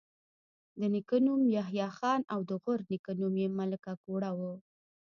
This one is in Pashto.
د نیکه نوم یحيی خان او د غورنیکه نوم یې ملک اکوړه وو